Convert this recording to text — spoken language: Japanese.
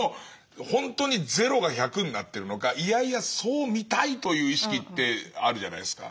ほんとにゼロが１００になってるのかいやいやそう見たいという意識ってあるじゃないですか。